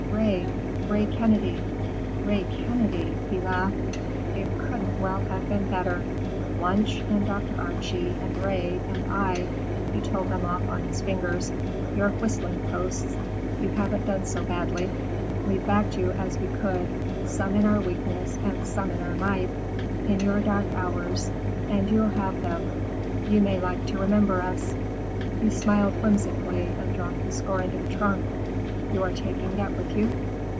"Ray, Ray Kennedy." "Ray Kennedy!" he laughed. "It couldn't well have been better! Wunsch and Dr. Archie, and Ray, and I,"—he told them off on his fingers,—"your whistling posts! You haven't done so badly. We've backed you as we could, some in our weakness and some in our might. In your dark hours—and you'll have them—you may like to remember us." He smiled whimsically and dropped the score into the trunk. "You are taking that with you?"